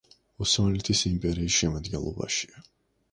ოსმალეთის იმპერიის შემადგენლობაშია.